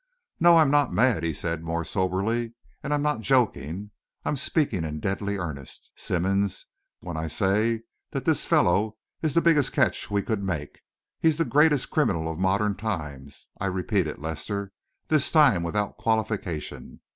"No, I'm not mad," he said, more soberly; "and I'm not joking. I'm speaking in deadly earnest, Simmonds, when I say that this fellow is the biggest catch we could make. He's the greatest criminal of modern times I repeat it, Lester, this time without qualification.